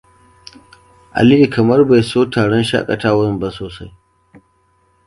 Aliyu kamar bai so taron shakatawan sosai.